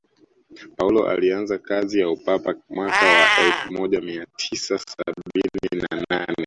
paulo alianza kazi ya upapa mwaka wa elfu moja mia tisa sabini na nane